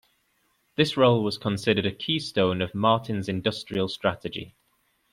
This role was considered a keystone of Martin's industrial strategy.